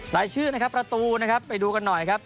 รายชื่อนะครับประตูนะครับไปดูกันหน่อยครับ